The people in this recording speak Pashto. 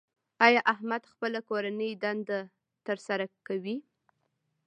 ایا احمد خپله کورنۍ دنده تر سره کوي؟